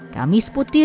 kami seputi ritual